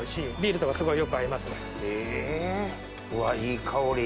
うわいい香り。